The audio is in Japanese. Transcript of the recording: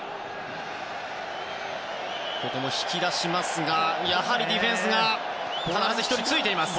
ここも引き出しましたがディフェンスが必ず１人ついています。